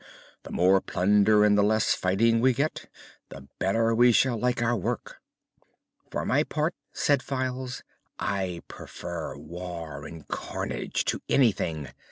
The more plunder and the less fighting we get, the better we shall like our work." "For my part," said Files, "I prefer war and carnage to anything.